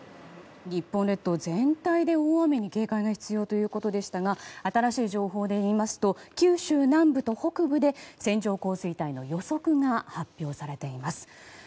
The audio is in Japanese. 日本列島全体で大雨に警戒が必要ということでしたが新しい情報でいいますと九州南部と北部で線状降水帯の予測が発表されています。